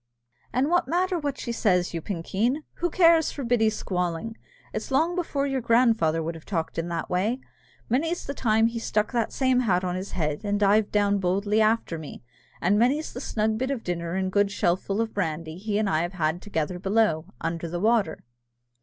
"And what matter what she says, you pinkeen? Who cares for Biddy's squalling? It's long before your grandfather would have talked in that way. Many's the time he stuck that same hat on his head, and dived down boldly after me; and many's the snug bit of dinner and good shellful of brandy he and I have had together below, under the water."